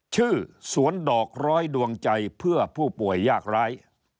ชื่อสวนดอกร้อยดวงใจเพื่อผู้ป่วยยากร้าย